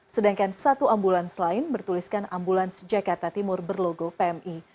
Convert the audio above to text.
sedangkan satu ambulans lain bertuliskan ambulans jakarta timur berlogo pmi